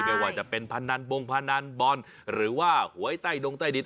ไม่ว่าจะเป็นพนันบงพนันบอลหรือว่าหวยใต้ดงใต้ดิน